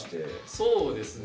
そうですね。